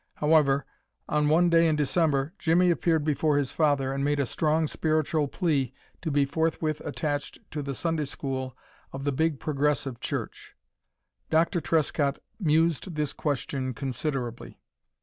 However, on one day in December, Jimmie appeared before his father and made a strong spiritual appeal to be forthwith attached to the Sunday school of the Big Progressive church. Doctor Trescott mused this question considerably.